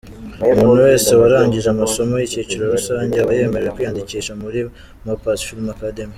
Umuntu wese warangije amasomo y’ikiciro rusange, aba yemerewe kwiyandikisha muri Mopas Film Academy.